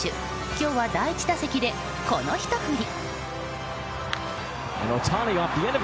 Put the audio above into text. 今日は第１打席でこのひと振り。